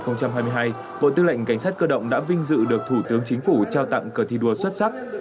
năm hai nghìn hai mươi hai bộ tư lệnh cảnh sát cơ động đã vinh dự được thủ tướng chính phủ trao tặng cờ thi đua xuất sắc